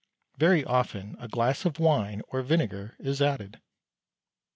Very often a glass of wine or vinegar is added.